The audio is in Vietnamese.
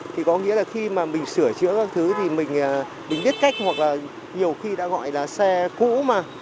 thì có nghĩa là khi mà mình sửa chữa các thứ thì mình biết cách hoặc là nhiều khi đã gọi là xe cũ mà